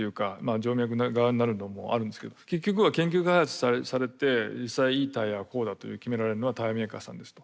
静脈側になるのもあるんですけど結局は研究開発されて実際いいタイヤはこうだと決められるのはタイヤメーカーさんですと。